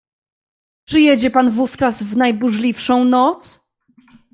"Przyjedzie pan wówczas w najburzliwszą noc?"